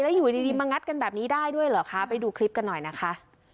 อยู่ดีมางัดกันแบบนี้ได้ด้วยเหรอคะไปดูคลิปกันหน่อยนะคะ